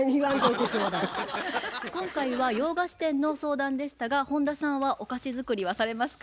今回は洋菓子店の相談でしたが本田さんはお菓子作りはされますか？